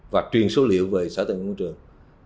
và truyền số liệu về sở tài nguyên môi trường